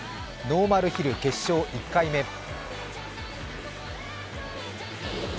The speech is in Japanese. ノーマルヒル決勝１回目。